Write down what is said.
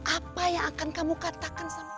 apa yang akan kamu katakan sama